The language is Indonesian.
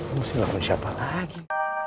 lo mesti ngelakuin siapa lagi